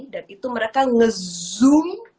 dan itu mereka ngezoom